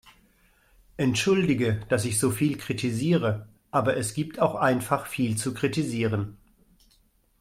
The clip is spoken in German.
Entschuldige, dass ich so viel kritisiere, aber es gibt auch einfach viel zu kritisieren.